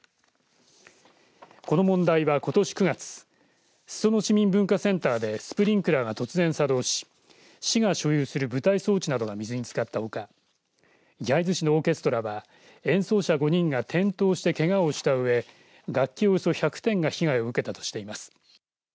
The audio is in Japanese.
この問題は、ことし９月裾野市民文化センターでスプリンクラーが突然作動し市が所有する舞台装置などが水につかったほか焼津市のオーケストラは演奏者５人が転倒してけがをしたうえ楽器およそ１００点が被害を受けたとしています。